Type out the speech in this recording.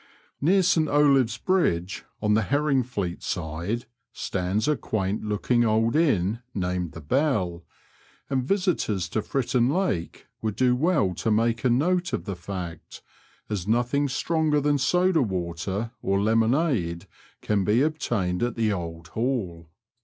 Near St Olaves Bridge, on the HerriDgfleet side, stands a quaint looking old inn named the Bell, and visitors to Fritton Lake would do well to make a note of the fact, as nothing stronger than soda water or lemonade can be obtained at the Old Hall.